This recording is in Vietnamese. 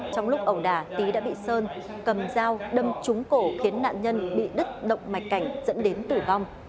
trong lúc ẩu đà tý đã bị sơn cầm dao đâm trúng cổ khiến nạn nhân bị đứt động mạch cảnh dẫn đến tử vong